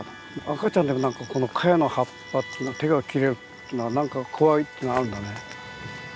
赤ちゃんでもこのカヤの葉っぱ手が切れるっていうのが何か怖いっていうのがあるんだね。